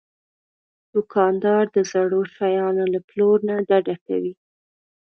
دوکاندار د زړو شیانو له پلور نه ډډه کوي.